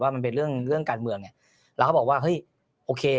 ว่ามันเป็นเรื่องการเมืองเนี่ยเราก็บอกว่าเฮ้ยโอเค